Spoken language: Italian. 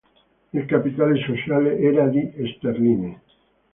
Il capitale sociale era di sterline.